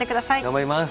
頑張ります。